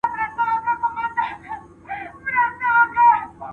په خپل عمل سره اسلام وښایئ.